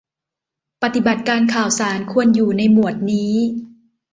ปฏิบัติการข่าวสารควรอยู่ในหมวดนี้